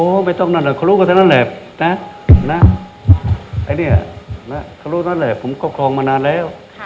ไม่ต้องนั่นแหละเขารู้กันทั้งนั้นแหละนะไอ้เนี่ยเขารู้นั่นแหละผมครอบครองมานานแล้ว